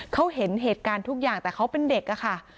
เขาเห็นเหตุการณ์ทุกอย่างแต่เขาเป็นเด็กอะค่ะ